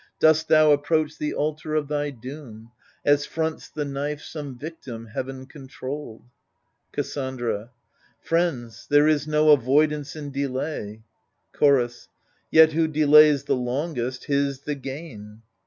Dost thou approach the altar of thy doom. As fronts the knife some victim, heaven controlled ? Cassandra Friends, there is no avoidance in delay. Chorus Yet who delays the longest, his the gain.